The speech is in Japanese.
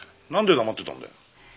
何で黙ってたんだよ。